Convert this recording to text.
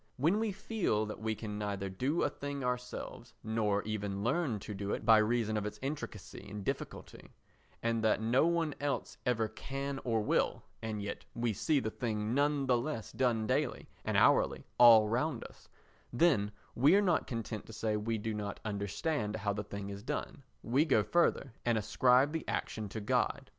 When we feel that we can neither do a thing ourselves, nor even learn to do it by reason of its intricacy and difficulty, and that no one else ever can or will, and yet we see the thing none the less done daily and hourly all round us, then we are not content to say we do not understand how the thing is done, we go further and ascribe the action to God.